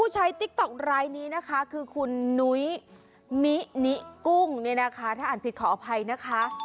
จังหวะนี้กุ้งถ้าอ่านผิดขออภัยนะคะ